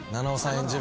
演じる